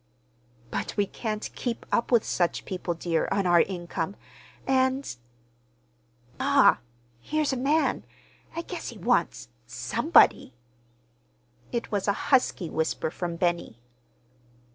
"But we can't keep up with such people, dear, on our income; and—" "Ma, here's a man. I guess he wants—somebody." It was a husky whisper from Benny.